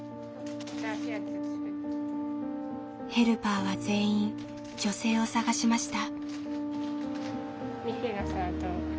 ヘルパーは全員女性を探しました。